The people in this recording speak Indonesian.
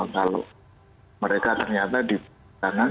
kalau mereka ternyata di kanan